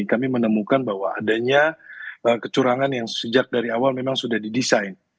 kami menemukan bahwa adanya kecurangan yang sejak dari awal memang sudah didesain